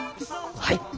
はい。